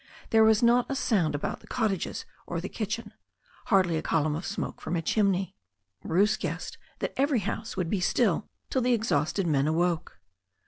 There was not a sound about the cottages or the kitchen, hardly a column of smoke from a chimney. Bruce guessed that every house would be still till the exhausted men awoke.